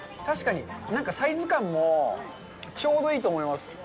確かに、なんかサイズ感もちょうどいいと思います。